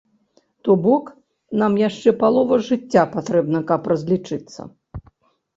То бок, нам яшчэ палова жыцця патрэбна, каб разлічыцца.